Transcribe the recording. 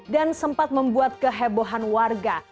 dan sempat membuat kehebohan warga